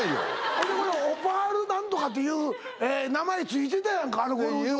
ほんでこれオパール何とかっていう名前付いてたやんかあのゴルフ場。